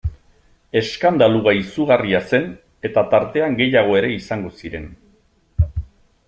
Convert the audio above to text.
Eskandalua izugarria zen eta tartean gehiago ere izango ziren...